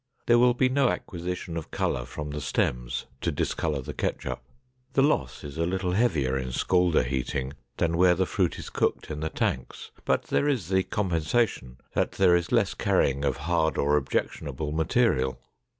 There will be no acquisition of color from the stems to discolor the ketchup. The loss is a little heavier in scalder heating than where the fruit is cooked in the tanks, but there is the compensation that there is less carrying of hard or objectionable material.